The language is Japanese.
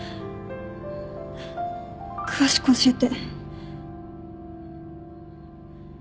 詳しく教えて。